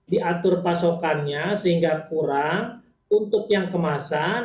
diatur pasokannya sehingga kurang untuk yang kemasan